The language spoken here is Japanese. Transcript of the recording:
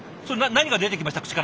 それ何が出てきました？